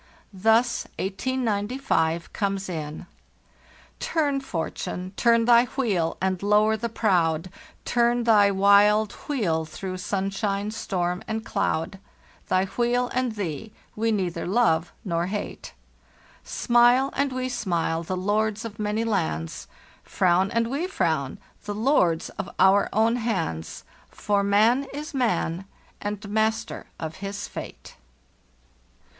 > Thus 1895 comes in: "«Turn, Fortune, turn thy wheel and lower the proud; Turn thy wild wheel thro' sunshine, storm, and cloud; Thy wheel and thee we neither love nor hate. "«Smile and we smile, the lords of many lands; Frown and we frown, the Jords of our own hands; For man is man and master of his fate.